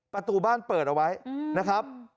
ประตูบ้านเปิดเอาไว้นะครับ